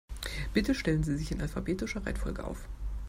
Bitte stellen Sie sich in alphabetischer Reihenfolge auf.